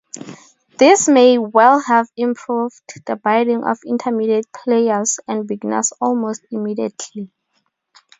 This may well have improved the bidding of intermediate players and beginners almost immediately.